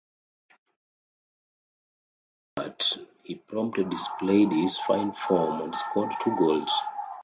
In his American debut, he promptly displayed his fine form and scored two goals.